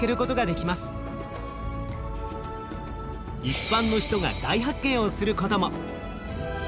一般の人が大発見をすることも！